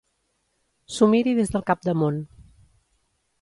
S'ho miri des del capdamunt.